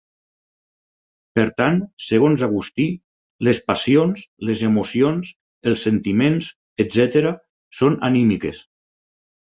Per tant, segons Agustí, les passions, les emocions, els sentiments, etcètera, són anímiques.